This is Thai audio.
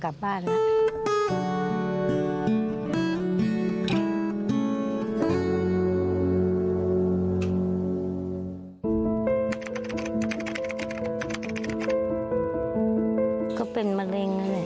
ป้าก็ทำของคุณป้าได้ยังไงสู้ชีวิตขนาดไหนติดตามกัน